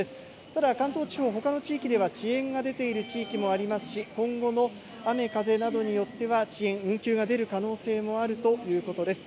ただ関東地方、ほかの地域では遅延が出ている地域もありますし、今後の雨、風などによっては、遅延、運休が出る可能性もあるということです。